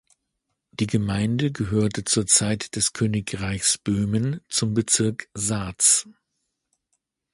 Die Gemeinde gehörte zur Zeit des Königreichs Böhmen zum Bezirk Saaz.